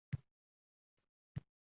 Darada oʼtkir archa hidi kezadi.